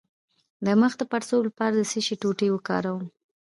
د مخ د پړسوب لپاره د څه شي ټوټې وکاروم؟